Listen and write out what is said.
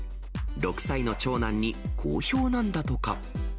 ６歳の長男に好評なんだとか。